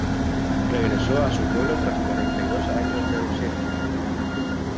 Regresó a su pueblo tras cuarenta y dos años de ausencia.